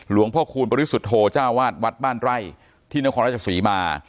หลวงพ่อคูณบริสุทโธจ้าวาสวัดบ้านไร่ที่นครราชสุริมา